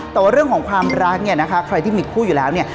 แต่ว่าเรื่องของความรักเนี่ยนะคะใครที่มีคู่อยู่แล้วเนี่ย